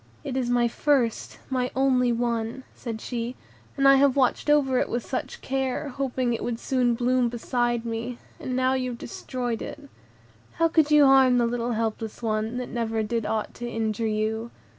"It is my first, my only one," said she, "and I have watched over it with such care, hoping it would soon bloom beside me; and now you have destroyed it. How could you harm the little helpless one, that never did aught to injure you?"